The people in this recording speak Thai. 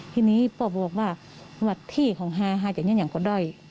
ทีนี้พ่อบอกว่าที่ของหาหาอย่างนี้อย่างก็ได้